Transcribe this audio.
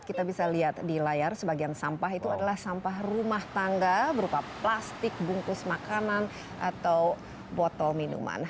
kita bisa lihat di layar sebagian sampah itu adalah sampah rumah tangga berupa plastik bungkus makanan atau botol minuman